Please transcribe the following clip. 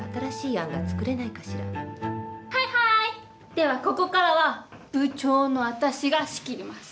ではここからは部長の私が仕切ります。